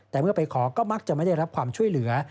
แต่เมื่อไปขอก็มักจะไม่ได้รับความช่วยเหลือ